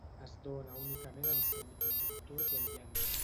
Es dóna únicament en semiconductors i aïllants.